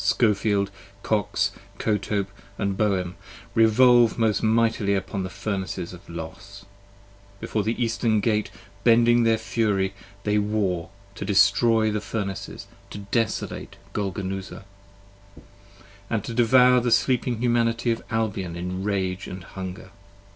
Scofield, Kox, Kotope and Bowen, revolve most mightily upon The Furnace of Los: before the eastern gate bending their fury They war, to destroy the Furnaces, to desolate Golgonooza: 30 And to devour the Sleeping Humanity of Albion in rage & hunger.